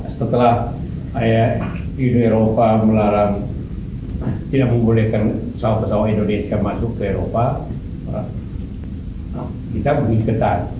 setelah indonesia melarang tidak membolehkan pesawat pesawat indonesia masuk ke eropa kita berhenti ketat